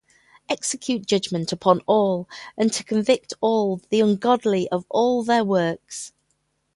Execute judgment upon all, and to convict all the ungodly of all their works.